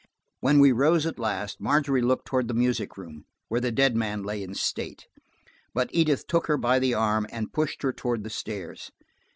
When we rose at last, Margery looked toward the music room, where the dead man lay in state. But Edith took her by the arm and pushed her toward the stairs.